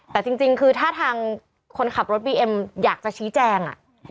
แต่จริงคือถ้าทางคนขับรถบีเอ็มอยากจะชี้แจง